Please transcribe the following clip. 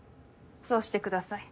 そうしてください。